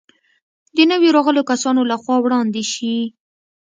د نویو راغلو کسانو له خوا وړاندې شي.